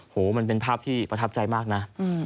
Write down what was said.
มันเป็นภาพที่ประทับใจมากนะ